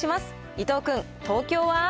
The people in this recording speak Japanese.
伊藤君、東京は？